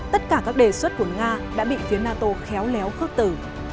tất cả các đề xuất của nga đã bị phía nato khéo léo khước tử